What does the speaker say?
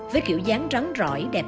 với kiểu dáng rắn rõi đẹp